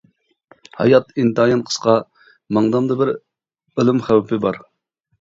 ھايات ئىنتايىن قىسقا، ماڭدامدا بىر ئۆلۈم خەۋپى بار.